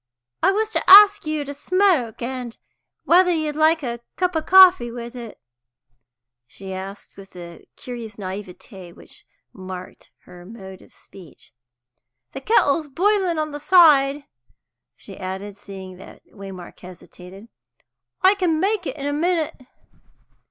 "I was to ask you to smoke, and whether you'd like a cup of coffee with it?" she asked, with the curious naivete which marked her mode of speech. "The kettle's boiling on the side," she added, seeing that Waymark hesitated. "I can make it in a minute."